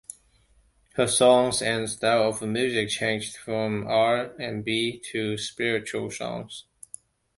Her songs and style of music changed from R and B to spiritual songs.